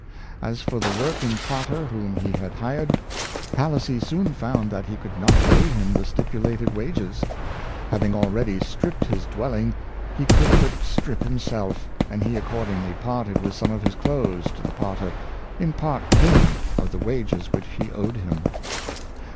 As for the working potter whom he had hired, Palissy soon found that he could not pay him the stipulated wages. Having already stripped his dwelling, he could but strip himself; and 200 Bernard Palissy, he accordingly parted with some of his clothes to the potter, in part payment of the wages which he owe4 him.